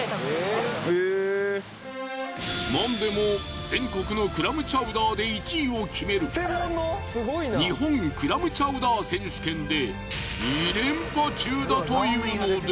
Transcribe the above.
なんでも全国のクラムチャウダーで１位を決める日本クラムチャウダー選手権で２連覇中だというのです。